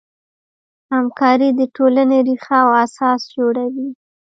همکاري د ټولنې ریښه او اساس جوړوي.